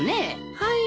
はい。